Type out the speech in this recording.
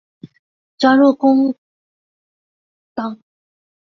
加入中国致公党。